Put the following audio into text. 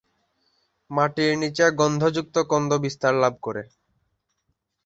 মাটির নিচে গন্ধযুক্ত কন্দ বিস্তার লাভ করে।